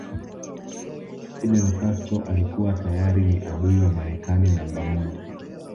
Fidel Castro alikuwa tayari ni adui wa Marekani namba moja